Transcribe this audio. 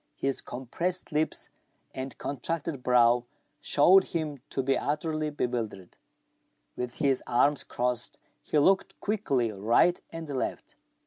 His compressed lips and contracted brow showed him to be utterly bewildered. With his arms crossed, he looked quickly right and left.